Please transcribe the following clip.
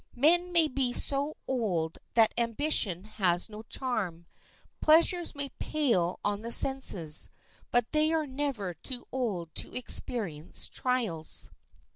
Men may be so old that ambition has no charm, pleasures may pale on the senses, but they are never too old to experience trials.